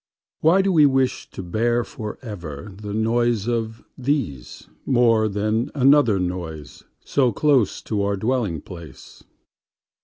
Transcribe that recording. Why do we wish to bearForever the noise of theseMore than another noiseSo close to our dwelling place?